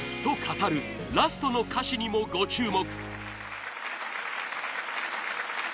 と語る、ラストの歌詞にもご注目！